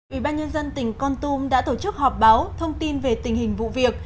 ủy ban nhân dân tỉnh con tum đã tổ chức họp báo thông tin về tình hình vụ việc